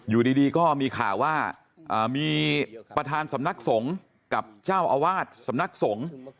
อยู่ดีก็มีข่าวว่ามีประธานสำนักสงฆ์กับเจ้าอาวาสสำนักสงฆ์